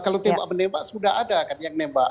kalau tembak menembak sudah ada kan yang nembak